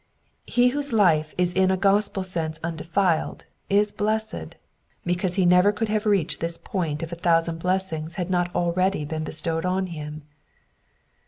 He whose life is in a gospel sense undefiled, is blessed, because he could never have reached this point if a thousand blessings had not already been bestowed on him.